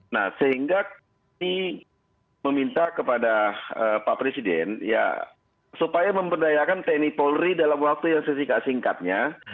nah sehingga kami meminta kepada pak presiden ya supaya memberdayakan tni polri dalam waktu yang sesingkat singkatnya